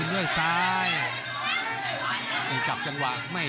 โหโหโหโหโหโหโห